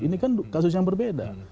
ini kan kasus yang berbeda